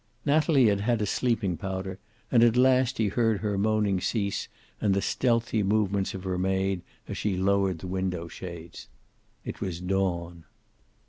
Natalie had had a sleeping powder, and at last he heard her moaning cease and the stealthy movements of her maid as she lowered the window shades. It was dawn.